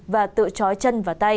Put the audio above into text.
và tự trói chân